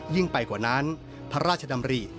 ยิ่งไปกว่านั้นพระราชดำริ